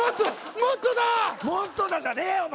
「もっとだ！」じゃねえよ！お前。